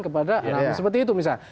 kepada anak anak seperti itu misalnya